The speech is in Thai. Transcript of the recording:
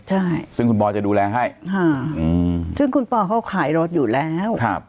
ใช่ซึ่งคุณปอยจะดูแลให้ค่ะอืมซึ่งคุณปอเขาขายรถอยู่แล้วครับ